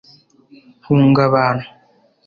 hunga abantu.